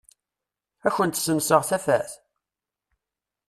Ad kent-senseɣ tafat?